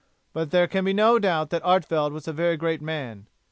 But there can be no doubt that Artevelde was a very great man.